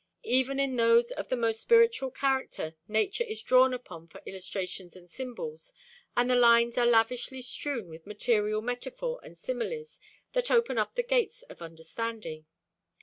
Even in those of the most spiritual character nature is drawn upon for illustrations and symbols, and the lines are lavishly strewn with material metaphor and similes that open up the gates of understanding.